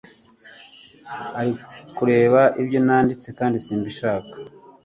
arikureba ibyo nanditse kandi simbishaka